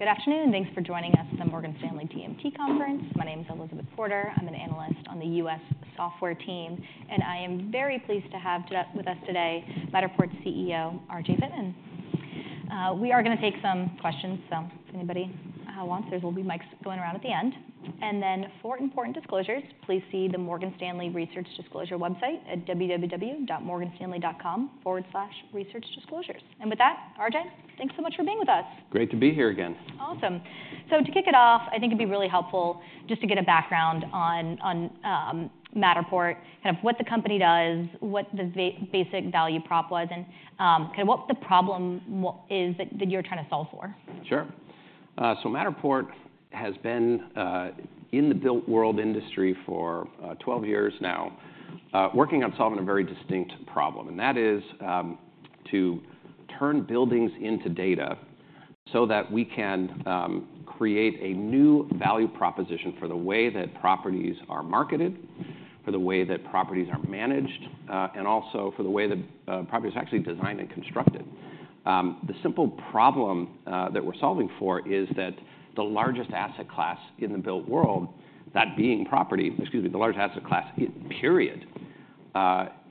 All right. Good afternoon and thanks for joining us at the Morgan Stanley TMT Conference. My name is Elizabeth Porter. I'm an analyst on the U.S. software team, and I am very pleased to have with us today Matterport's CEO, RJ Pittman. We are going to take some questions, so if anybody wants, there will be mics going around at the end. Then for important disclosures, please see the Morgan Stanley Research Disclosure website at www.morganstanley.com/researchdisclosures. With that, R.J., thanks so much for being with us. Great to be here again. Awesome. To kick it off, I think it'd be really helpful just to get a background on Matterport, kind of what the company does, what the basic value prop was, and kind of what the problem is that you're trying to solve for. Sure. So Matterport has been in the built world industry for 12 years now, working on solving a very distinct problem, and that is to turn buildings into data so that we can create a new value proposition for the way that properties are marketed, for the way that properties are managed, and also for the way that properties are actually designed and constructed. The simple problem that we're solving for is that the largest asset class in the built world, that being property, excuse me, the largest asset class, period,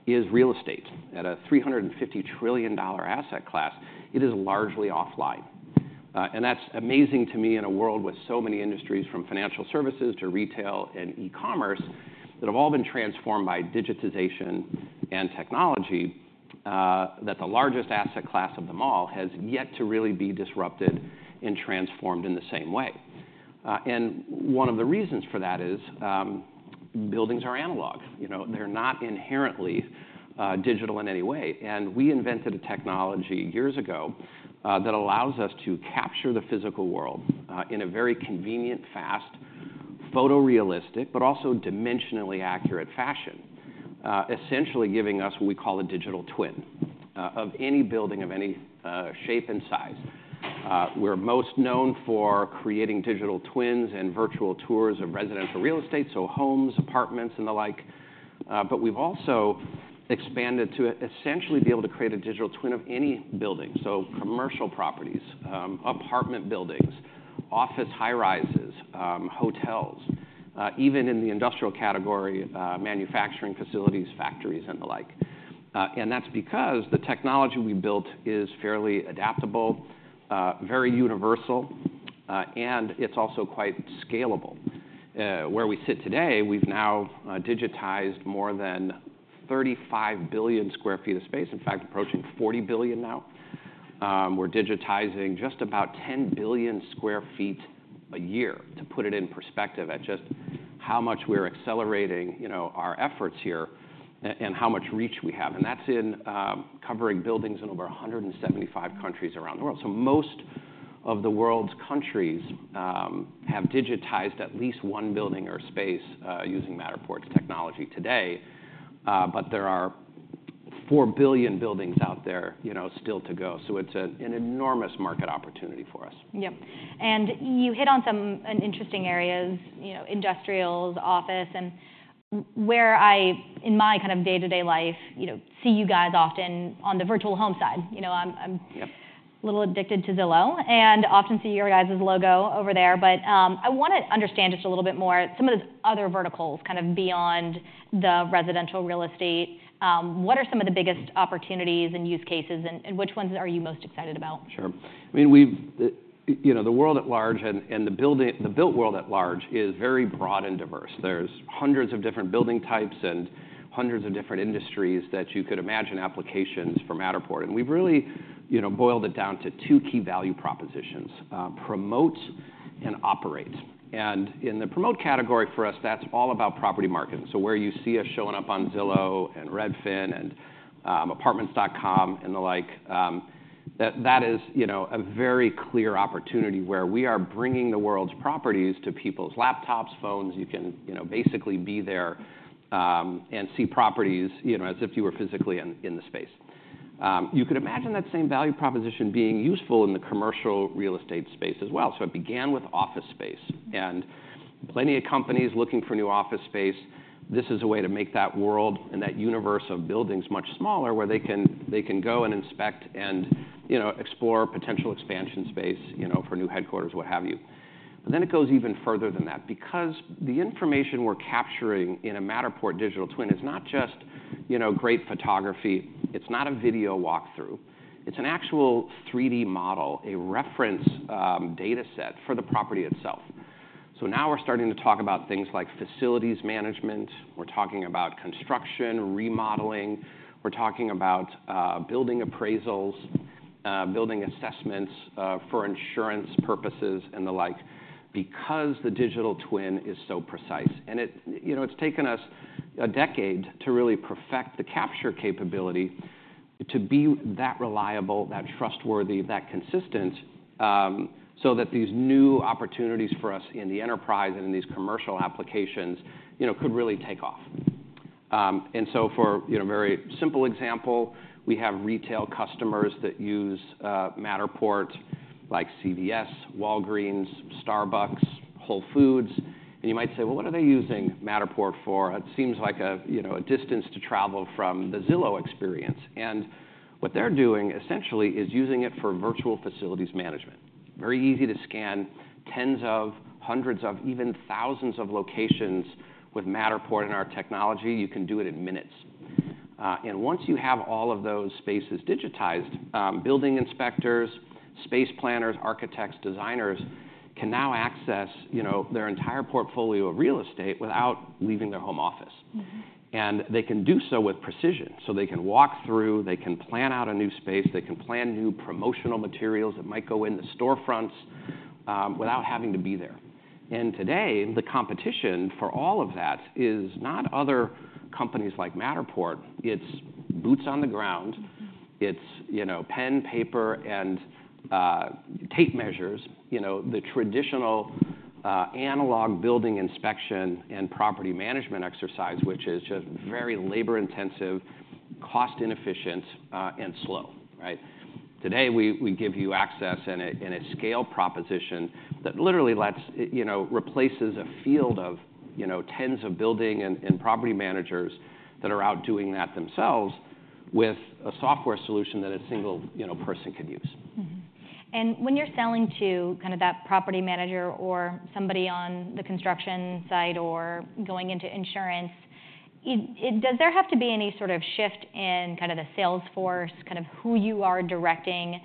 is real estate. At a $350 trillion asset class, it is largely offline. And that's amazing to me in a world with so many industries, from financial services to retail and e-commerce, that have all been transformed by digitization and technology, that the largest asset class of them all has yet to really be disrupted and transformed in the same way. One of the reasons for that is buildings are analog. They're not inherently digital in any way. We invented a technology years ago that allows us to capture the physical world in a very convenient, fast, photorealistic, but also dimensionally accurate fashion, essentially giving us what we call a digital twin of any building of any shape and size. We're most known for creating digital twins and virtual tours of residential real estate, so homes, apartments, and the like. We've also expanded to essentially be able to create a digital twin of any building, so commercial properties, apartment buildings, office high rises, hotels, even in the industrial category, manufacturing facilities, factories, and the like. That's because the technology we built is fairly adaptable, very universal, and it's also quite scalable. Where we sit today, we've now digitized more than 35 billion sq ft of space, in fact, approaching 40 billion now. We're digitizing just about 10 billion sq ft a year, to put it in perspective at just how much we're accelerating our efforts here and how much reach we have. And that's in covering buildings in over 175 countries around the world. So most of the world's countries have digitized at least one building or space using Matterport's technology today, but there are 4 billion buildings out there still to go. So it's an enormous market opportunity for us. Yep. And you hit on some interesting areas: industrials, office. And where I, in my kind of day-to-day life, see you guys often on the virtual home side, I'm a little addicted to Zillow, and often see your guys' logo over there. But I want to understand just a little bit more some of those other verticals, kind of beyond the residential real estate. What are some of the biggest opportunities and use cases, and which ones are you most excited about? Sure. I mean, the world at large and the built world at large is very broad and diverse. There's hundreds of different building types and hundreds of different industries that you could imagine applications for Matterport. And we've really boiled it down to two key value propositions: promote and operate. And in the promote category for us, that's all about property marketing. So where you see us showing up on Zillow and Redfin and Apartments.com and the like, that is a very clear opportunity where we are bringing the world's properties to people's laptops, phones. You can basically be there and see properties as if you were physically in the space. You could imagine that same value proposition being useful in the commercial real estate space as well. So it began with office space. Plenty of companies looking for new office space, this is a way to make that world and that universe of buildings much smaller, where they can go and inspect and explore potential expansion space for new headquarters, what have you. But then it goes even further than that. Because the information we're capturing in a Matterport digital twin is not just great photography. It's not a video walkthrough. It's an actual 3D model, a reference data set for the property itself. So now we're starting to talk about things like facilities management. We're talking about construction remodeling. We're talking about building appraisals, building assessments for insurance purposes, and the like, because the digital twin is so precise. And it's taken us a decade to really perfect the capture capability to be that reliable, that trustworthy, that consistent so that these new opportunities for us in the enterprise and in these commercial applications could really take off. And so for a very simple example, we have retail customers that use Matterport like CVS, Walgreens, Starbucks, Whole Foods. And you might say, "Well, what are they using Matterport for?" It seems like a distance to travel from the Zillow experience. And what they're doing, essentially, is using it for virtual facilities management. Very easy to scan tens of, hundreds of, even thousands of locations with Matterport and our technology. You can do it in minutes. And once you have all of those spaces digitized, building inspectors, space planners, architects, designers can now access their entire portfolio of real estate without leaving their home office. They can do so with precision. They can walk through, they can plan out a new space, they can plan new promotional materials that might go in the storefronts without having to be there. Today, the competition for all of that is not other companies like Matterport. It's boots on the ground. It's pen, paper, and tape measures, the traditional analog building inspection and property management exercise, which is just very labor-intensive, cost-inefficient, and slow, right? Today, we give you access in a scale proposition that literally replaces a field of tens of building and property managers that are out doing that themselves with a software solution that a single person could use. When you're selling to kind of that property manager or somebody on the construction site or going into insurance, does there have to be any sort of shift in kind of the sales force, kind of who you are directing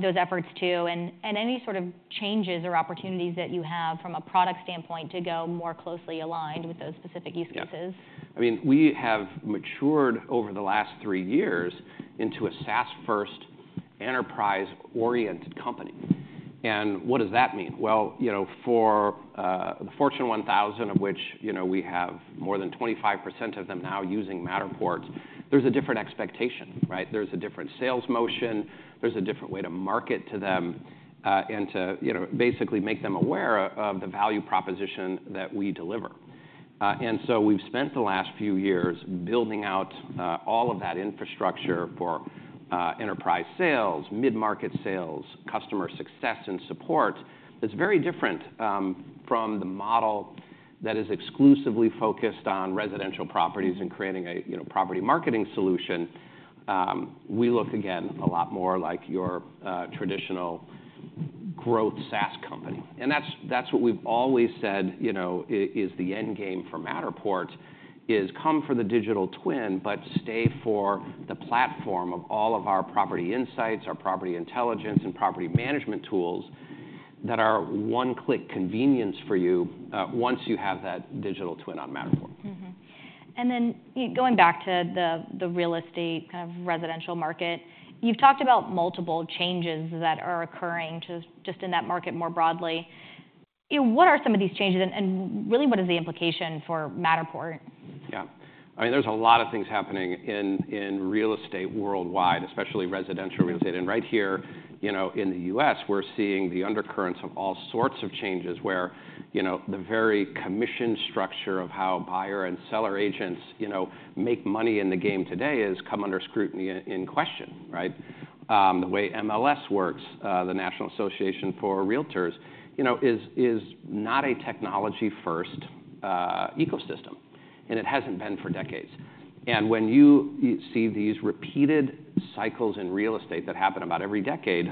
those efforts to, and any sort of changes or opportunities that you have from a product standpoint to go more closely aligned with those specific use cases? Yeah. I mean, we have matured over the last three years into a SaaS-first, enterprise-oriented company. And what does that mean? Well, for the Fortune 1000, of which we have more than 25% of them now using Matterport, there's a different expectation, right? There's a different sales motion. There's a different way to market to them and to basically make them aware of the value proposition that we deliver. And so we've spent the last few years building out all of that infrastructure for enterprise sales, mid-market sales, customer success, and support that's very different from the model that is exclusively focused on residential properties and creating a property marketing solution. We look, again, a lot more like your traditional growth SaaS company. That's what we've always said is the end game for Matterport is come for the digital twin, but stay for the platform of all of our property insights, our Property Intelligence, and property management tools that are one-click convenience for you once you have that digital twin on Matterport. And then going back to the real estate kind of residential market, you've talked about multiple changes that are occurring just in that market more broadly. What are some of these changes, and really, what is the implication for Matterport? Yeah. I mean, there's a lot of things happening in real estate worldwide, especially residential real estate. And right here in the U.S., we're seeing the undercurrents of all sorts of changes where the very commission structure of how buyer and seller agents make money in the game today is come under scrutiny in question, right? The way MLS works, the National Association of Realtors, is not a technology-first ecosystem, and it hasn't been for decades. And when you see these repeated cycles in real estate that happen about every decade,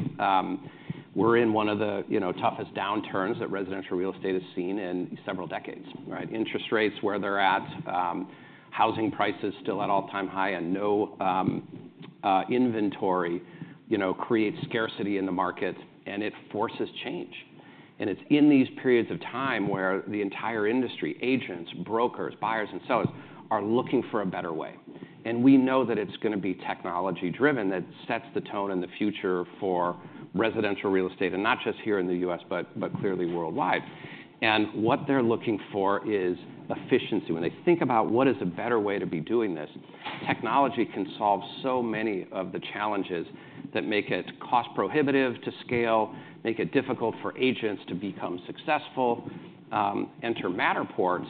we're in one of the toughest downturns that residential real estate has seen in several decades, right? Interest rates where they're at, housing prices still at all-time high, and no inventory creates scarcity in the market, and it forces change. It's in these periods of time where the entire industry, agents, brokers, buyers, and sellers, are looking for a better way. We know that it's going to be technology-driven, that sets the tone in the future for residential real estate, and not just here in the U.S., but clearly worldwide. What they're looking for is efficiency. When they think about what is a better way to be doing this, technology can solve so many of the challenges that make it cost-prohibitive to scale, make it difficult for agents to become successful, enter Matterport.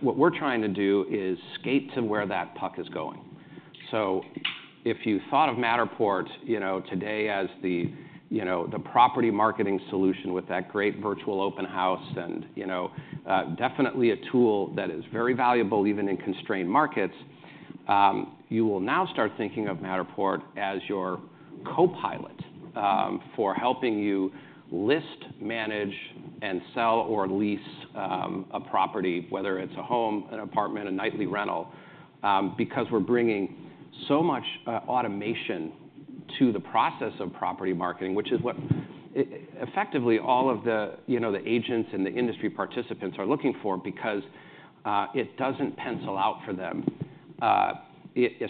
What we're trying to do is skate to where that puck is going. So if you thought of Matterport today as the property marketing solution with that great virtual open house and definitely a tool that is very valuable even in constrained markets, you will now start thinking of Matterport as your co-pilot for helping you list, manage, and sell or lease a property, whether it's a home, an apartment, a nightly rental, because we're bringing so much automation to the process of property marketing, which is what effectively all of the agents and the industry participants are looking for because it doesn't pencil out for them.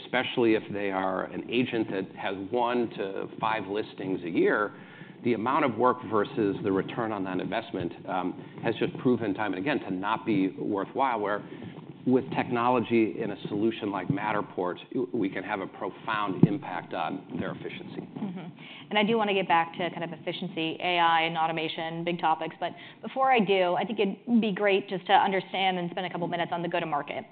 Especially if they are an agent that has 1-5 listings a year, the amount of work versus the return on that investment has just proven time and again to not be worthwhile, where with technology in a solution like Matterport, we can have a profound impact on their efficiency. I do want to get back to kind of efficiency, AI, and automation, big topics. Before I do, I think it'd be great just to understand and spend a couple of minutes on the go-to-market.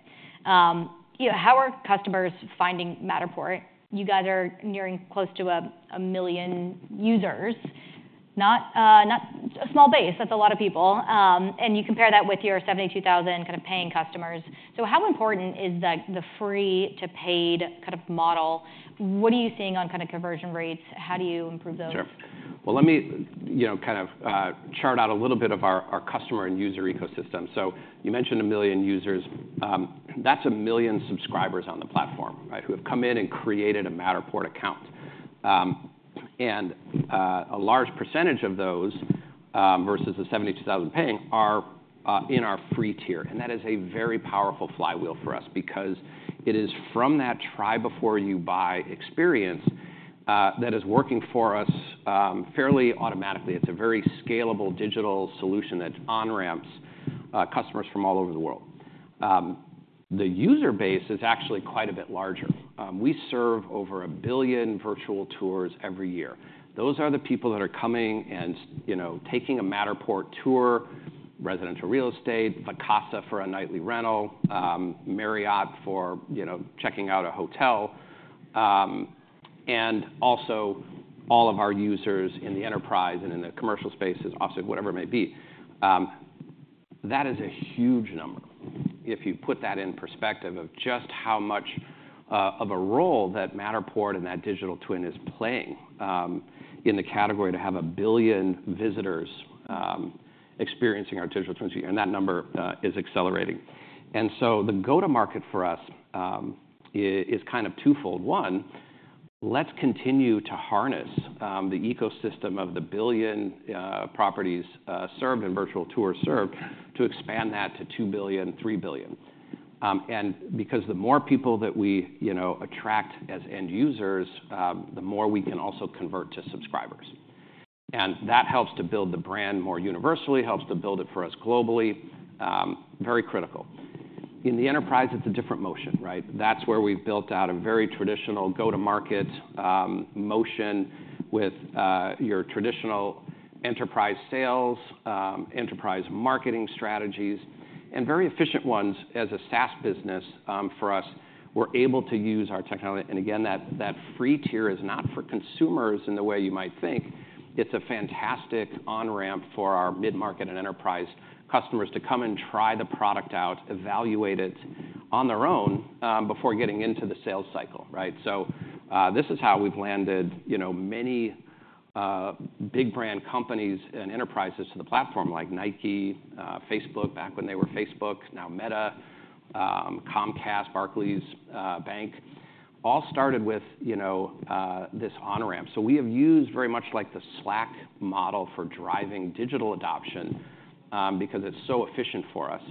How are customers finding Matterport? You guys are nearing close to 1 million users, not a small base. That's a lot of people. You compare that with your 72,000 kind of paying customers. So how important is the free-to-paid kind of model? What are you seeing on kind of conversion rates? How do you improve those? Sure. Well, let me kind of chart out a little bit of our customer and user ecosystem. So you mentioned 1 million users. That's 1 million subscribers on the platform, right, who have come in and created a Matterport account. And a large percentage of those versus the 72,000 paying are in our free tier. And that is a very powerful flywheel for us because it is from that try-before-you-buy experience that is working for us fairly automatically. It's a very scalable digital solution that on-ramps customers from all over the world. The user base is actually quite a bit larger. We serve over 1 billion virtual tours every year. Those are the people that are coming and taking a Matterport tour, residential real estate, Vacasa for a nightly rental, Marriott for checking out a hotel, and also all of our users in the enterprise and in the commercial spaces, offices, whatever it may be. That is a huge number if you put that in perspective of just how much of a role that Matterport and that digital twin is playing in the category to have 1 billion visitors experiencing our digital twins here. That number is accelerating. So the go-to-market for us is kind of twofold. One, let's continue to harness the ecosystem of the 1 billion properties served and virtual tours served to expand that to 2 billion, 3 billion. Because the more people that we attract as end users, the more we can also convert to subscribers. That helps to build the brand more universally, helps to build it for us globally, very critical. In the enterprise, it's a different motion, right? That's where we've built out a very traditional go-to-market motion with your traditional enterprise sales, enterprise marketing strategies, and very efficient ones as a SaaS business for us. We're able to use our technology. And again, that free tier is not for consumers in the way you might think. It's a fantastic on-ramp for our mid-market and enterprise customers to come and try the product out, evaluate it on their own before getting into the sales cycle, right? So this is how we've landed many big brand companies and enterprises to the platform like Nike, Facebook back when they were Facebook, now Meta, Comcast, Barclays Bank, all started with this on-ramp. We have used very much like the Slack model for driving digital adoption because it's so efficient for us.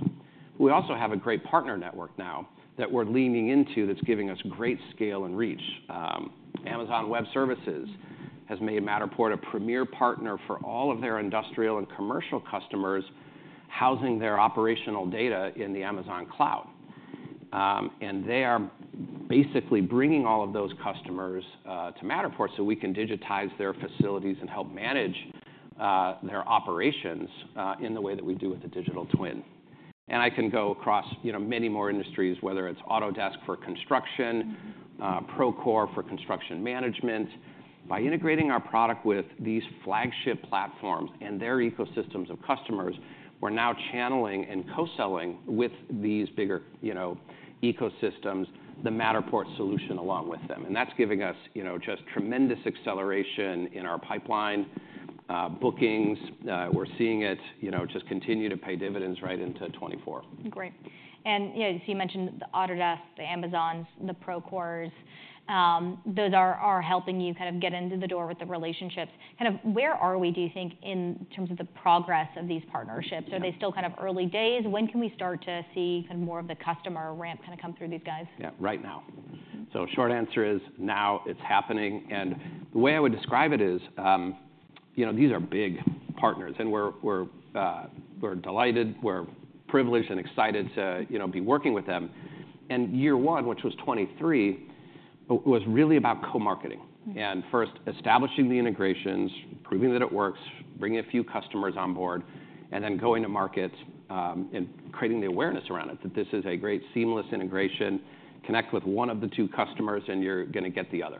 We also have a great partner network now that we're leaning into that's giving us great scale and reach. Amazon Web Services has made Matterport a premier partner for all of their industrial and commercial customers housing their operational data in the Amazon Cloud. They are basically bringing all of those customers to Matterport so we can digitize their facilities and help manage their operations in the way that we do with the digital twin. I can go across many more industries, whether it's Autodesk for construction, Procore for construction management. By integrating our product with these flagship platforms and their ecosystems of customers, we're now channeling and co-selling with these bigger ecosystems the Matterport solution along with them. That's giving us just tremendous acceleration in our pipeline. Bookings, we're seeing it just continue to pay dividends right into 2024. Great. And so you mentioned the Autodesk, the Amazons, the Procores. Those are helping you kind of get into the door with the relationships. Kind of where are we, do you think, in terms of the progress of these partnerships? Are they still kind of early days? When can we start to see kind of more of the customer ramp kind of come through these guys? Yeah, right now. So short answer is now it's happening. And the way I would describe it is these are big partners. And we're delighted. We're privileged and excited to be working with them. And year one, which was 2023, was really about co-marketing and first establishing the integrations, proving that it works, bringing a few customers on board, and then going to market and creating the awareness around it that this is a great seamless integration. Connect with one of the two customers and you're going to get the other.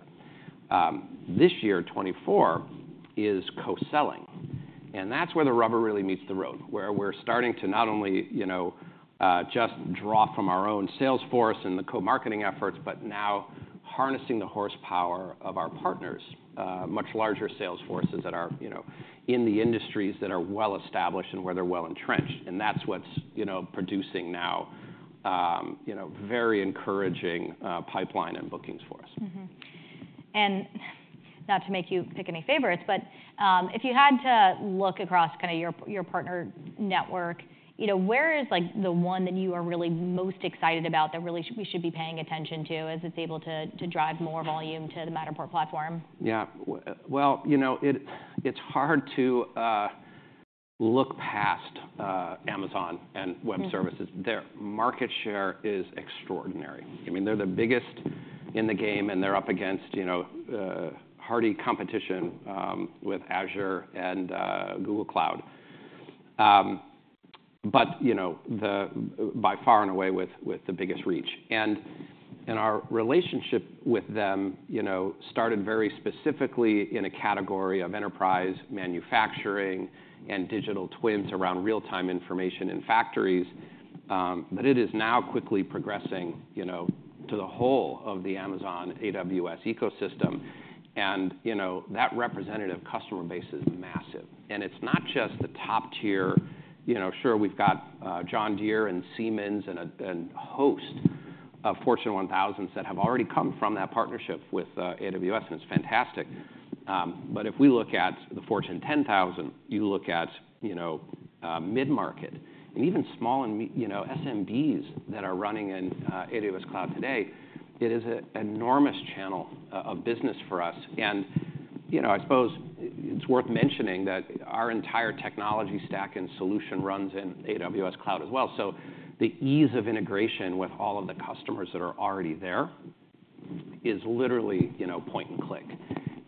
This year, 2024, is co-selling. And that's where the rubber really meets the road, where we're starting to not only just draw from our own sales force and the co-marketing efforts, but now harnessing the horsepower of our partners, much larger sales forces that are in the industries that are well-established and where they're well-entrenched. That's what's producing now a very encouraging pipeline and bookings for us. Not to make you pick any favorites, but if you had to look across kind of your partner network, where is the one that you are really most excited about that really we should be paying attention to as it's able to drive more volume to the Matterport platform? Yeah. Well, it's hard to look past Amazon Web Services. Their market share is extraordinary. I mean, they're the biggest in the game, and they're up against hardy competition with Azure and Google Cloud, but by far and away with the biggest reach. Our relationship with them started very specifically in a category of enterprise manufacturing and digital twins around real-time information in factories. But it is now quickly progressing to the whole of the Amazon AWS ecosystem. And that representative customer base is massive. And it's not just the top tier. Sure, we've got John Deere and Siemens and a host of Fortune 1000s that have already come from that partnership with AWS, and it's fantastic. But if we look at the Fortune 10,000, you look at mid-market and even small SMBs that are running in AWS Cloud today, it is an enormous channel of business for us. I suppose it's worth mentioning that our entire technology stack and solution runs in AWS Cloud as well. So the ease of integration with all of the customers that are already there is literally point and click.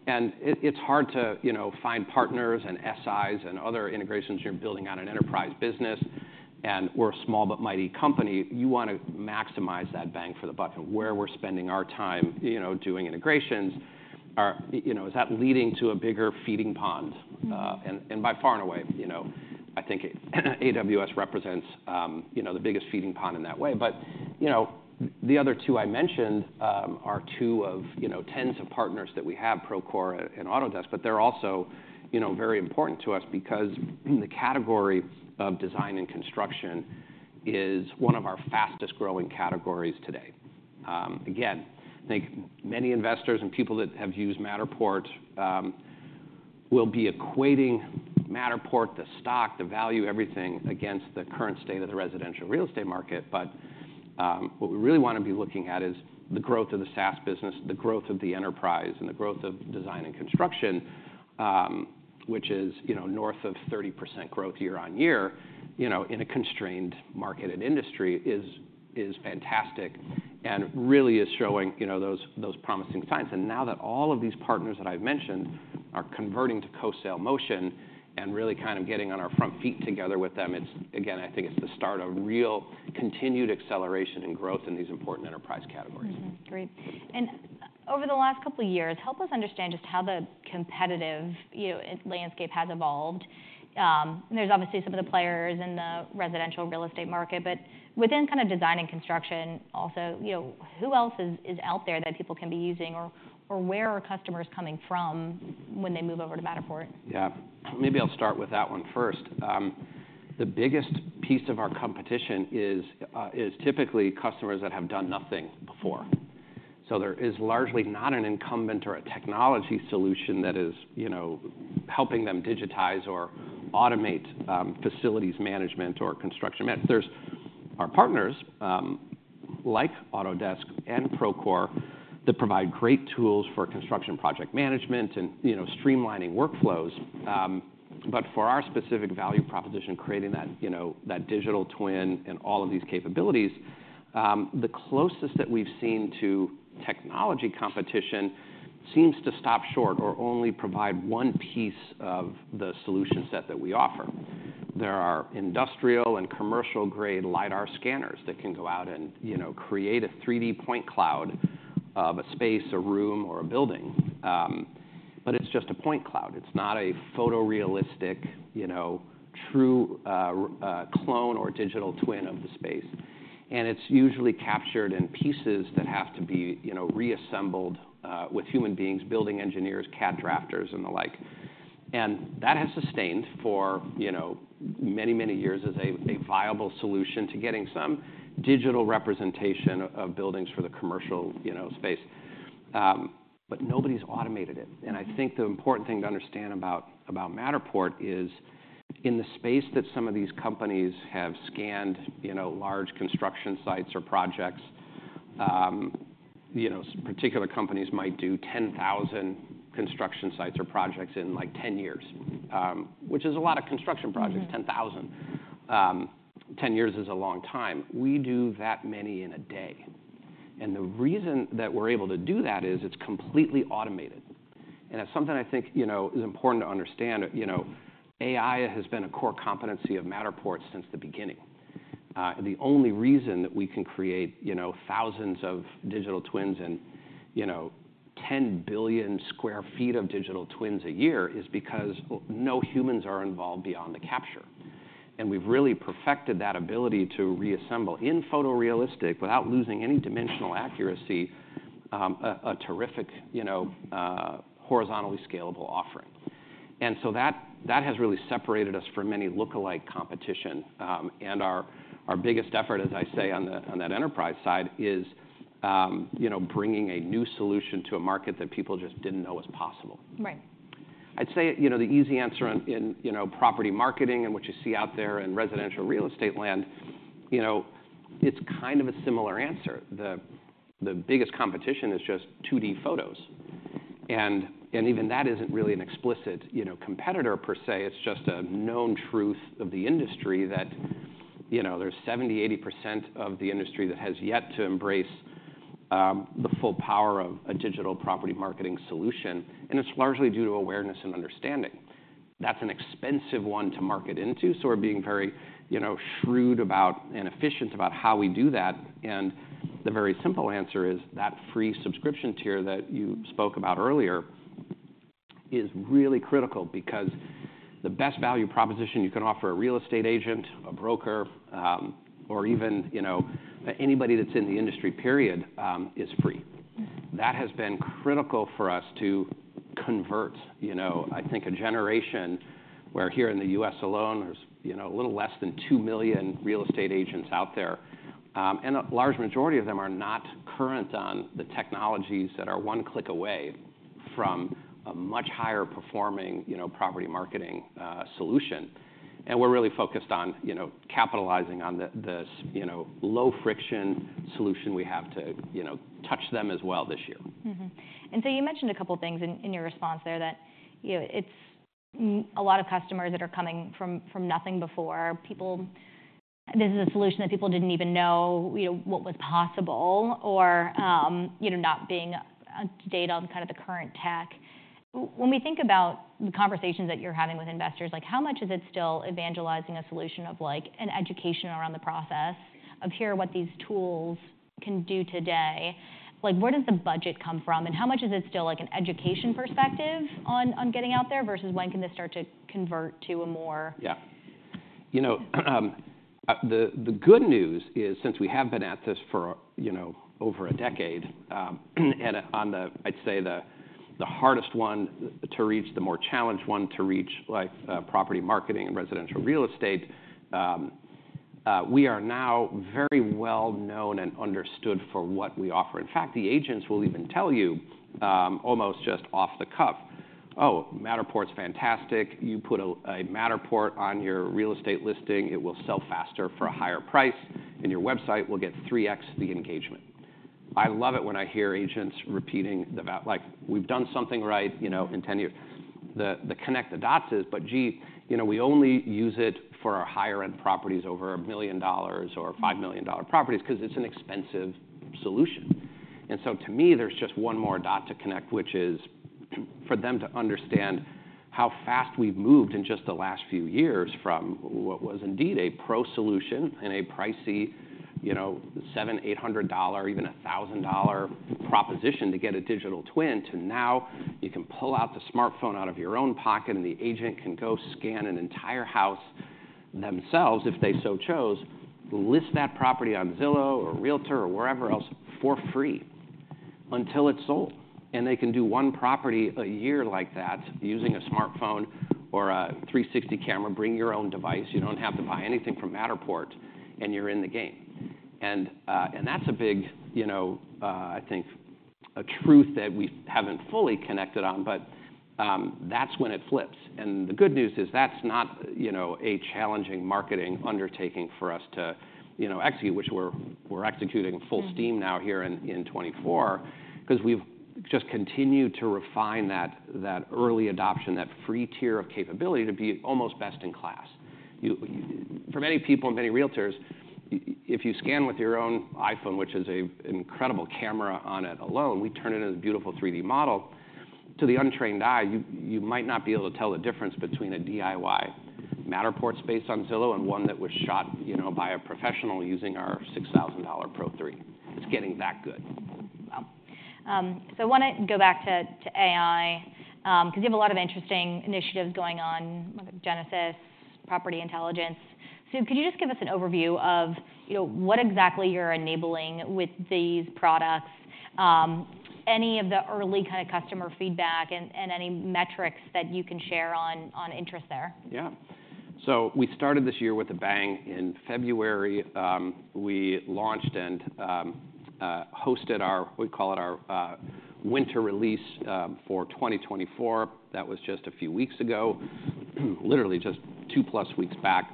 It's hard to find partners and SIs and other integrations when you're building out an enterprise business. We're a small but mighty company. You want to maximize that bang for the buck. Where we're spending our time doing integrations, is that leading to a bigger feeding pond? By far and away, I think AWS represents the biggest feeding pond in that way. But the other two I mentioned are two of tens of partners that we have, Procore and Autodesk, but they're also very important to us because the category of design and construction is one of our fastest-growing categories today. Again, I think many investors and people that have used Matterport will be equating Matterport, the stock, the value, everything against the current state of the residential real estate market. But what we really want to be looking at is the growth of the SaaS business, the growth of the enterprise, and the growth of design and construction, which is north of 30% growth year-over-year in a constrained market and industry is fantastic and really is showing those promising signs. Now that all of these partners that I've mentioned are converting to co-sale motion and really kind of getting on our front feet together with them, again, I think it's the start of real continued acceleration and growth in these important enterprise categories. Great. Over the last couple of years, help us understand just how the competitive landscape has evolved. There's obviously some of the players in the residential real estate market. But within kind of design and construction also, who else is out there that people can be using, or where are customers coming from when they move over to Matterport? Yeah. Maybe I'll start with that one first. The biggest piece of our competition is typically customers that have done nothing before. So there is largely not an incumbent or a technology solution that is helping them digitize or automate facilities management or construction. Our partners like Autodesk and Procore that provide great tools for construction project management and streamlining workflows. But for our specific value proposition, creating that digital twin and all of these capabilities, the closest that we've seen to technology competition seems to stop short or only provide one piece of the solution set that we offer. There are industrial and commercial-grade LiDAR scanners that can go out and create a 3D point cloud of a space, a room, or a building. But it's just a point cloud. It's not a photorealistic, true clone or digital twin of the space. It's usually captured in pieces that have to be reassembled with human beings, building engineers, CAD drafters, and the like. That has sustained for many, many years as a viable solution to getting some digital representation of buildings for the commercial space. Nobody's automated it. I think the important thing to understand about Matterport is in the space that some of these companies have scanned large construction sites or projects, particular companies might do 10,000 construction sites or projects in like 10 years, which is a lot of construction projects, 10,000. 10 years is a long time. We do that many in a day. The reason that we're able to do that is it's completely automated. It's something I think is important to understand. AI has been a core competency of Matterport since the beginning. The only reason that we can create thousands of digital twins and 10 billion sq ft of digital twins a year is because no humans are involved beyond the capture. We've really perfected that ability to reassemble in photorealistic without losing any dimensional accuracy, a terrific horizontally scalable offering. That has really separated us from many lookalike competition. Our biggest effort, as I say, on that enterprise side is bringing a new solution to a market that people just didn't know was possible. I'd say the easy answer in property marketing and what you see out there in residential real estate land, it's kind of a similar answer. The biggest competition is just 2D photos. Even that isn't really an explicit competitor per se. It's just a known truth of the industry that there's 70%-80% of the industry that has yet to embrace the full power of a digital property marketing solution. It's largely due to awareness and understanding. That's an expensive one to market into. We're being very shrewd about and efficient about how we do that. The very simple answer is that free subscription tier that you spoke about earlier is really critical because the best value proposition you can offer a real estate agent, a broker, or even anybody that's in the industry, period, is free. That has been critical for us to convert, I think, a generation where here in the U.S. alone, there's a little less than 2 million real estate agents out there. A large majority of them are not current on the technologies that are one click away from a much higher performing property marketing solution. We're really focused on capitalizing on this low-friction solution we have to touch them as well this year. And so you mentioned a couple of things in your response there that it's a lot of customers that are coming from nothing before. This is a solution that people didn't even know what was possible or not being up to date on kind of the current tech. When we think about the conversations that you're having with investors, how much is it still evangelizing a solution of an education around the process of here what these tools can do today? Where does the budget come from? And how much is it still an education perspective on getting out there versus when can this start to convert to a more? Yeah. The good news is since we have been at this for over a decade and on, I'd say, the hardest one to reach, the more challenged one to reach, like property marketing and residential real estate, we are now very well known and understood for what we offer. In fact, the agents will even tell you almost just off the cuff, "Oh, Matterport's fantastic. You put a Matterport on your real estate listing. It will sell faster for a higher price. And your website will get 3X the engagement." I love it when I hear agents repeating that, "We've done something right in 10 years. The connect the dots is, but gee, we only use it for our higher-end properties over $1 million or $5 million properties because it's an expensive solution." And so to me, there's just one more dot to connect, which is for them to understand how fast we've moved in just the last few years from what was indeed a pro solution and a pricey $700, $800, even $1,000 proposition to get a digital twin to now you can pull out the smartphone out of your own pocket and the agent can go scan an entire house themselves if they so chose, list that property on Zillow or Realtor or wherever else for free until it's sold. And they can do one property a year like that using a smartphone or a 360 camera, bring your own device. You don't have to buy anything from Matterport, and you're in the game. That's a big, I think, a truth that we haven't fully connected on. But that's when it flips. The good news is that's not a challenging marketing undertaking for us to execute, which we're executing full steam now here in 2024 because we've just continued to refine that early adoption, that free tier of capability to be almost best in class. For many people and many realtors, if you scan with your own iPhone, which is an incredible camera on it alone, we turn it into this beautiful 3D model. To the untrained eye, you might not be able to tell the difference between a DIY Matterport space on Zillow and one that was shot by a professional using our $6,000 Pro3. It's getting that good. Wow. So I want to go back to AI because you have a lot of interesting initiatives going on, Genesis, Property Intelligence. So could you just give us an overview of what exactly you're enabling with these products, any of the early kind of customer feedback, and any metrics that you can share on interest there? Yeah. So we started this year with a bang in February. We launched and hosted our, we call it our winter release for 2024. That was just a few weeks ago, literally just two-plus weeks back.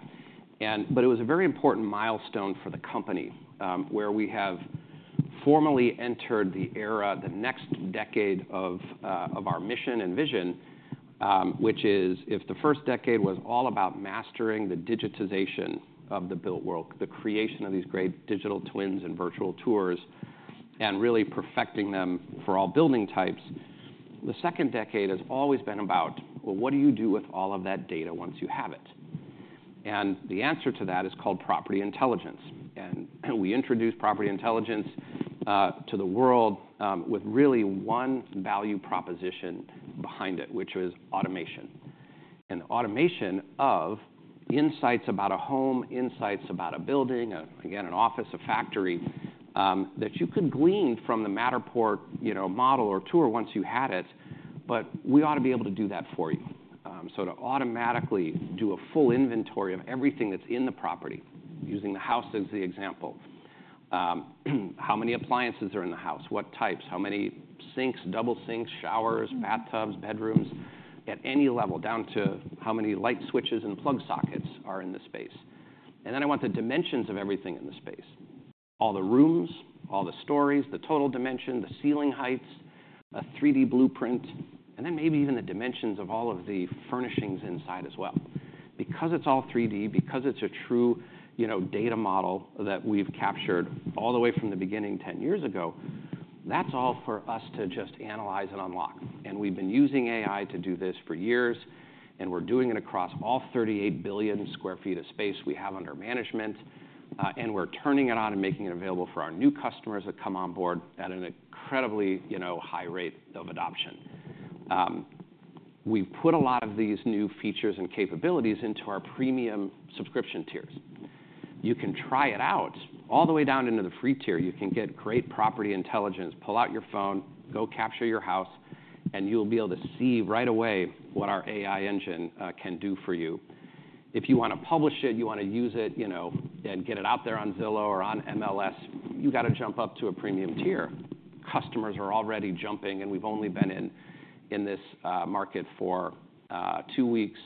But it was a very important milestone for the company where we have formally entered the era, the next decade of our mission and vision, which is if the first decade was all about mastering the digitization of the Built World, the creation of these great digital twins and Virtual Tours, and really perfecting them for all building types, the second decade has always been about, well, what do you do with all of that data once you have it? And the answer to that is called Property Intelligence. We introduced Property Intelligence to the world with really one value proposition behind it, which was automation, an automation of insights about a home, insights about a building, again, an office, a factory that you could glean from the Matterport model or tour once you had it. But we ought to be able to do that for you. So to automatically do a full inventory of everything that's in the property, using the house as the example, how many appliances are in the house, what types, how many sinks, double sinks, showers, bathtubs, bedrooms at any level, down to how many light switches and plug sockets are in the space. And then I want the dimensions of everything in the space, all the rooms, all the stories, the total dimension, the ceiling heights, a 3D blueprint, and then maybe even the dimensions of all of the furnishings inside as well. Because it's all 3D, because it's a true data model that we've captured all the way from the beginning 10 years ago, that's all for us to just analyze and unlock. And we've been using AI to do this for years. And we're doing it across all 38 billion sq ft of space we have under management. And we're turning it on and making it available for our new customers that come on board at an incredibly high rate of adoption. We've put a lot of these new features and capabilities into our premium subscription tiers. You can try it out all the way down into the free tier. You can get great Property Intelligence, pull out your phone, go capture your house, and you'll be able to see right away what our AI engine can do for you. If you want to publish it, you want to use it and get it out there on Zillow or on MLS, you got to jump up to a premium tier. Customers are already jumping. We've only been in this market for two weeks.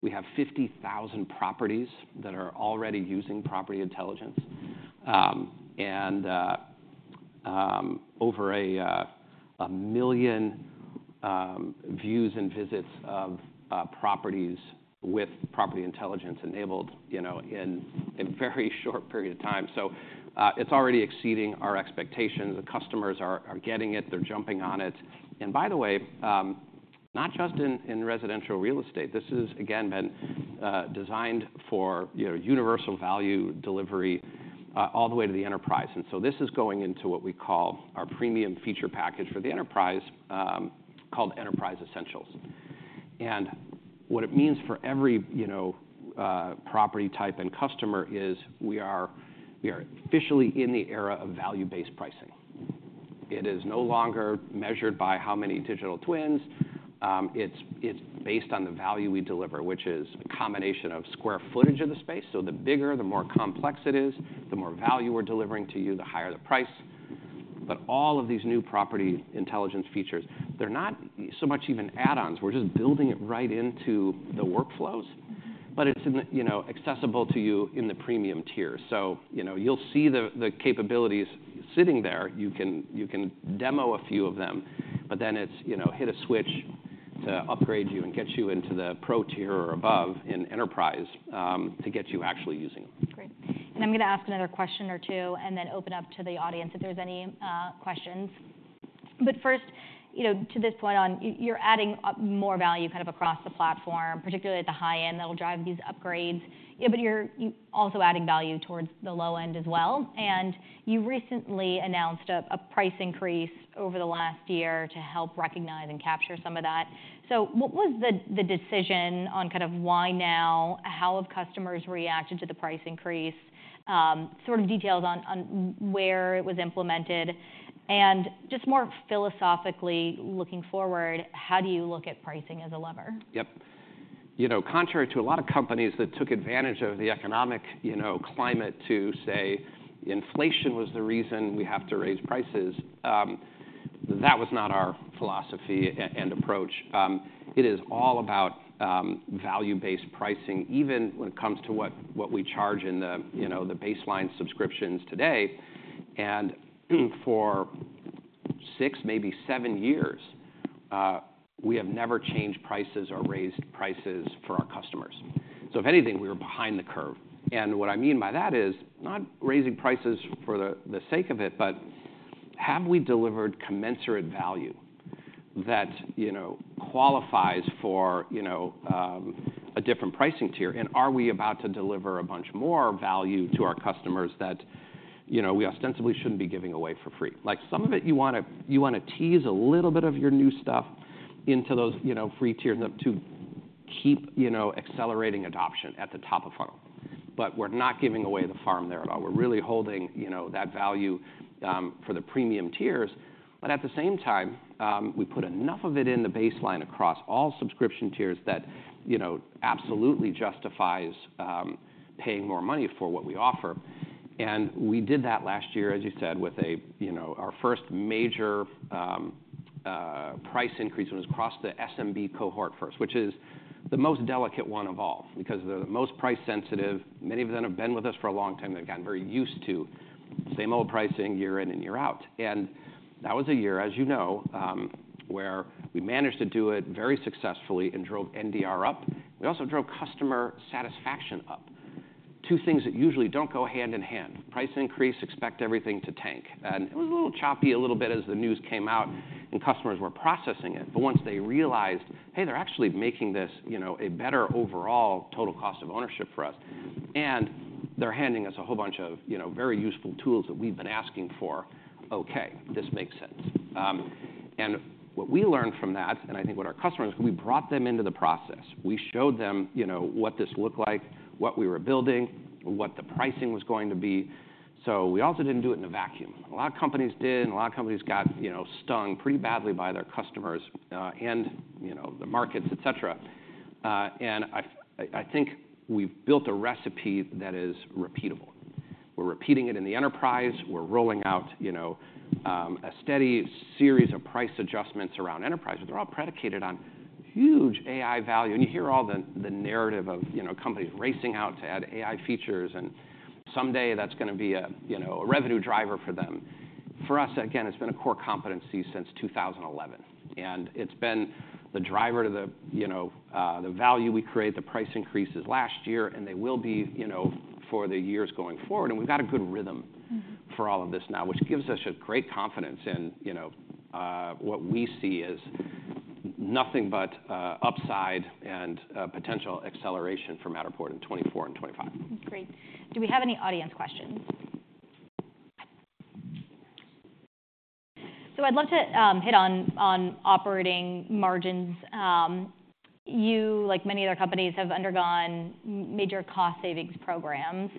We have 50,000 properties that are already using Property Intelligence and over 1 million views and visits of properties with Property Intelligence enabled in a very short period of time. It's already exceeding our expectations. The customers are getting it. They're jumping on it. By the way, not just in residential real estate, this has, again, been designed for universal value delivery all the way to the enterprise. This is going into what we call our premium feature package for the enterprise called Enterprise Essentials. What it means for every property type and customer is we are officially in the era of value-based pricing. It is no longer measured by how many Digital Twins. It's based on the value we deliver, which is a combination of square footage of the space. So the bigger, the more complex it is, the more value we're delivering to you, the higher the price. But all of these new Property Intelligence features, they're not so much even add-ons. We're just building it right into the workflows. But it's accessible to you in the premium tier. So you'll see the capabilities sitting there. You can demo a few of them. But then it's hit a switch to upgrade you and get you into the pro tier or above in enterprise to get you actually using them. Great. And I'm going to ask another question or two and then open up to the audience if there's any questions. But first, to this point on, you're adding more value kind of across the platform, particularly at the high end that'll drive these upgrades. But you're also adding value towards the low end as well. And you recently announced a price increase over the last year to help recognize and capture some of that. So what was the decision on kind of why now, how have customers reacted to the price increase, sort of details on where it was implemented? And just more philosophically looking forward, how do you look at pricing as a lever? Yep. Contrary to a lot of companies that took advantage of the economic climate to say inflation was the reason we have to raise prices, that was not our philosophy and approach. It is all about value-based pricing, even when it comes to what we charge in the baseline subscriptions today. And for six, maybe seven years, we have never changed prices or raised prices for our customers. So if anything, we were behind the curve. And what I mean by that is not raising prices for the sake of it, but have we delivered commensurate value that qualifies for a different pricing tier? And are we about to deliver a bunch more value to our customers that we ostensibly shouldn't be giving away for free? Some of it, you want to tease a little bit of your new stuff into those free tiers to keep accelerating adoption at the top of funnel. But we're not giving away the farm there at all. We're really holding that value for the premium tiers. But at the same time, we put enough of it in the baseline across all subscription tiers that absolutely justifies paying more money for what we offer. And we did that last year, as you said, with our first major price increase when it was across the SMB cohort first, which is the most delicate one of all because they're the most price-sensitive. Many of them have been with us for a long time. They've gotten very used to same old pricing. You're in and you're out. That was a year, as you know, where we managed to do it very successfully and drove NDR up. We also drove customer satisfaction up, two things that usually don't go hand in hand. Price increase, expect everything to tank. And it was a little choppy a little bit as the news came out and customers were processing it. But once they realized, hey, they're actually making this a better overall total cost of ownership for us. And they're handing us a whole bunch of very useful tools that we've been asking for, okay, this makes sense. And what we learned from that, and I think what our customers because we brought them into the process, we showed them what this looked like, what we were building, what the pricing was going to be. So we also didn't do it in a vacuum. A lot of companies did. A lot of companies got stung pretty badly by their customers and the markets, etc. I think we've built a recipe that is repeatable. We're repeating it in the enterprise. We're rolling out a steady series of price adjustments around enterprise. But they're all predicated on huge AI value. You hear all the narrative of companies racing out to add AI features. Someday, that's going to be a revenue driver for them. For us, again, it's been a core competency since 2011. It's been the driver to the value we create. The price increase is last year. They will be for the years going forward. We've got a good rhythm for all of this now, which gives us a great confidence in what we see as nothing but upside and potential acceleration for Matterport in 2024 and 2025. Great. Do we have any audience questions? So I'd love to hit on operating margins. You, like many other companies, have undergone major cost savings programs.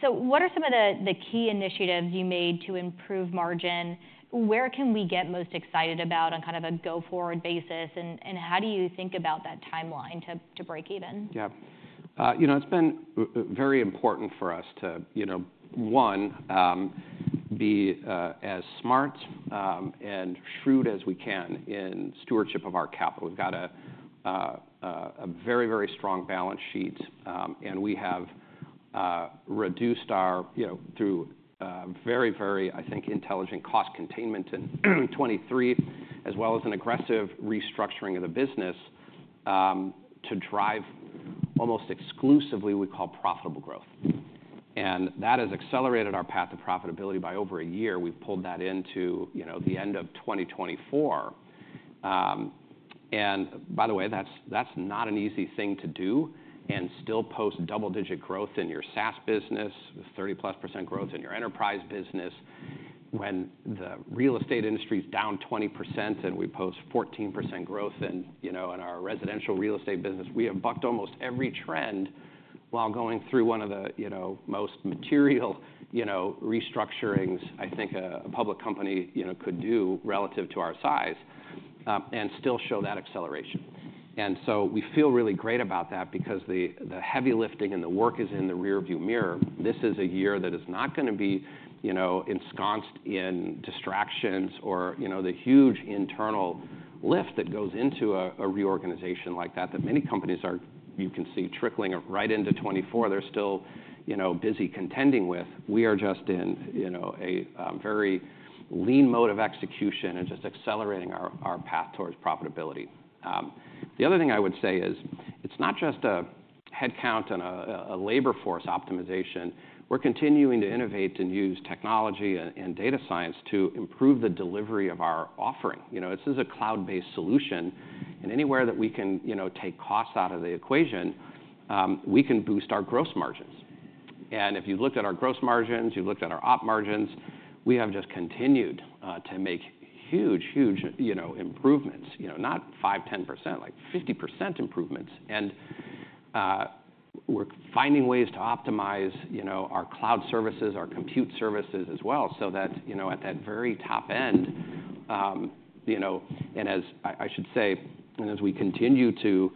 So what are some of the key initiatives you made to improve margin? Where can we get most excited about on kind of a go-forward basis? And how do you think about that timeline to break even? Yeah. It's been very important for us to, one, be as smart and shrewd as we can in stewardship of our capital. We've got a very, very strong balance sheet. We have reduced our through very, very, I think, intelligent cost containment in 2023, as well as an aggressive restructuring of the business to drive almost exclusively, we call, profitable growth. That has accelerated our path to profitability by over a year. We've pulled that into the end of 2024. By the way, that's not an easy thing to do and still post double-digit growth in your SaaS business, 30+% growth in your enterprise business when the real estate industry is down 20% and we post 14% growth in our residential real estate business. We have bucked almost every trend while going through one of the most material restructurings, I think, a public company could do relative to our size and still show that acceleration. And so we feel really great about that because the heavy lifting and the work is in the rearview mirror. This is a year that is not going to be ensconced in distractions or the huge internal lift that goes into a reorganization like that that many companies are, you can see, trickling right into 2024. They're still busy contending with. We are just in a very lean mode of execution and just accelerating our path towards profitability. The other thing I would say is it's not just a headcount and a labor force optimization. We're continuing to innovate and use technology and data science to improve the delivery of our offering. This is a cloud-based solution. And anywhere that we can take costs out of the equation, we can boost our gross margins. And if you looked at our gross margins, you looked at our op margins, we have just continued to make huge, huge improvements, not 5%-10%, like 50% improvements. And we're finding ways to optimize our cloud services, our compute services as well so that at that very top end and as I should say, and as we continue to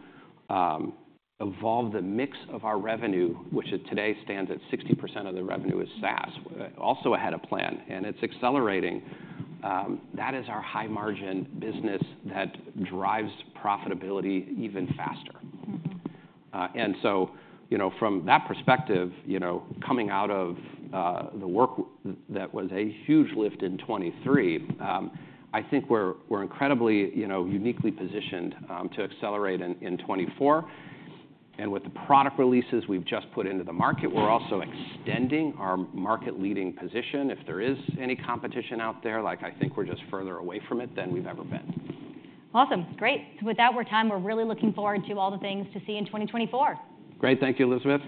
evolve the mix of our revenue, which today stands at 60% of the revenue is SaaS, also ahead of plan and it's accelerating, that is our high-margin business that drives profitability even faster. And so from that perspective, coming out of the work that was a huge lift in 2023, I think we're incredibly uniquely positioned to accelerate in 2024. With the product releases we've just put into the market, we're also extending our market-leading position. If there is any competition out there, I think we're just further away from it than we've ever been. Awesome. Great. So with that, we're time. We're really looking forward to all the things to see in 2024. Great. Thank you, Elizabeth.